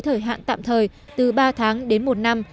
thời hạn tạm thời từ ba tháng đến một năm